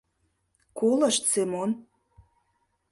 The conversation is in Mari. Колышт, Семон.